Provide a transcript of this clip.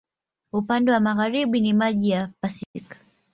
Upande wa magharibi ni maji wa Pasifiki.